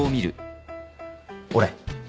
俺？